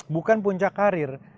bukan puncak karir